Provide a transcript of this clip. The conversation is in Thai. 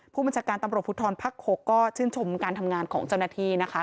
ผู้บัญชาการตำรวจภูทรภักดิ์๖ก็ชื่นชมการทำงานของเจ้าหน้าที่นะคะ